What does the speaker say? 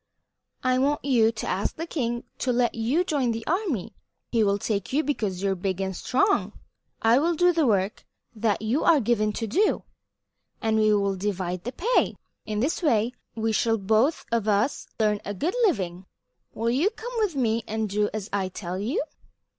I want you to ask the king to let you join the army. He will take you because you are big and strong. I will do the work that you are given to do, and we will divide the pay. In this way we shall both of us earn a good living. Will you come with me and do as I tell you?"